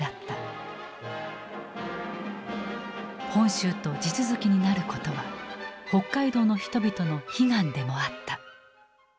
本州と地続きになることは北海道の人々の悲願でもあった。